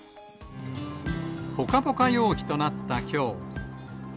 ぽかぽか陽気となったきょう。